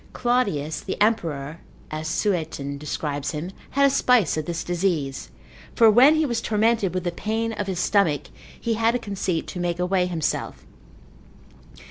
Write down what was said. Claudius the emperor, as Sueton describes him, had a spice of this disease, for when he was tormented with the pain of his stomach, he had a conceit to make away himself.